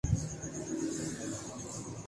Ideology, علما اور اہل علم و دانش کا موضوع ہے۔